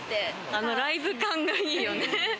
あのライブ感がいいよね。